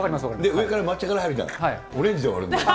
上から抹茶が入るじゃない、オレンジで終わるのよ。